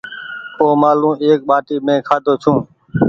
اومآلون ايڪ ٻآٽي مينٚ کآڌو ڇوٚنٚ